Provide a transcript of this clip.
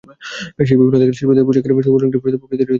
সেই বিবেচনা থেকে শিল্পীদের পোশাকের সবুজ রংটি প্রকৃতিরই অংশ হয়ে দাঁড়ায়।